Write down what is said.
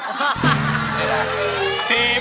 เป็นอะไรนะ